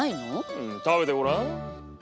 うん食べてごらん。